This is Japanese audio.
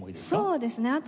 そうですね。